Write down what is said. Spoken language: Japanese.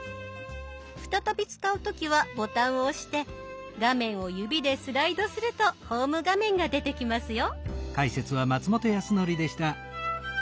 再び使う時はボタンを押して画面を指でスライドするとホーム画面が出てきますよ。